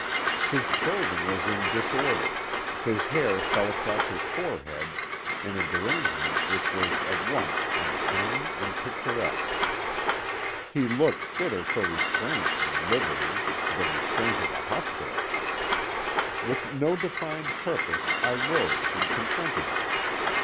His clothing was in disorder, his hair fell across his forehead in a derangement which was at once uncanny and picturesque. He looked fitter for restraint than liberty—the restraint of a hospital. With no defined purpose I rose and confronted him.